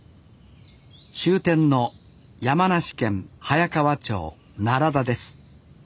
終点の山梨県早川町奈良田です。